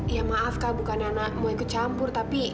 ya maaf kak bukan anak mau ikut campur tapi